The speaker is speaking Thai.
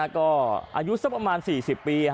ก็อายุสักประมาณ๔๐ปี